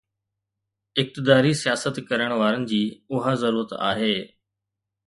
اقتداري سياست ڪرڻ وارن جي اها ضرورت آهي.